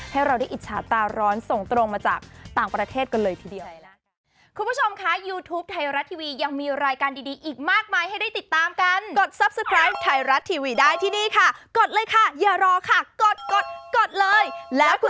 ให้เราได้อิจฉาตาร้อนส่งตรงมาจากต่างประเทศกันเลยทีเดียว